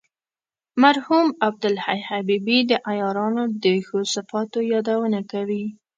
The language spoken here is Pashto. مرحوم عبدالحی حبیبي د عیارانو د ښو صفاتو یادونه کوي.